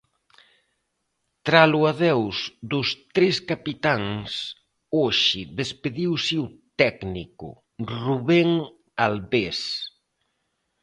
Tras o adeus dos tres capitáns, hoxe despediuse o técnico, Rubén Albés.